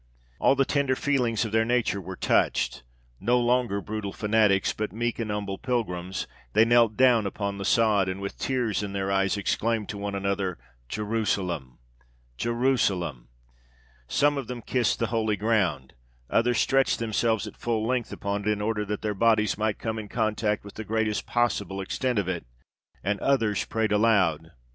All the tender feelings of their nature were touched; no longer brutal fanatics, but meek and humble pilgrims, they knelt down upon the sod, and with tears in their eyes, exclaimed to one another "Jerusalem! Jerusalem!" Some of them kissed the holy ground, others stretched themselves at full length upon it, in order that their bodies might come in contact with the greatest possible extent of it, and others prayed aloud.